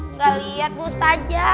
enggak liat bustadzha